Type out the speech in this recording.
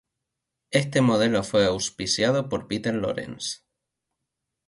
Este modelo fue auspiciado por Peter Lawrence.